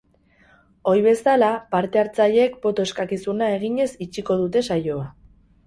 Ohi bezala, parte hartzaileek boto eskakizuna eginez itxiko dute saioa.